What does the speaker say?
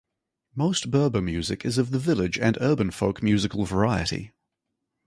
Most Berber music is of the village- and urban-folk musical variety.